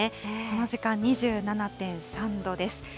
この時間、２７．３度です。